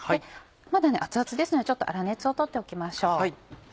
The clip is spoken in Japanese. まだ熱々ですので粗熱をとっておきましょう。